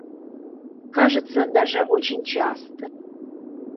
Кажется, даже очень часто.